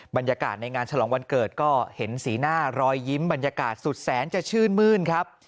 บรรยากาศในงานฉลองวันเกิดก็เห็นสีหน้ารอยยิ้มบรรยากาศสุดแสนจะชื่นมื้นครับ